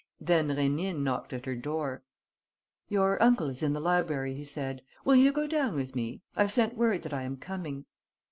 Then Rénine knocked at her door: "Your uncle is in the library," he said. "Will you go down with me? I've sent word that I am coming."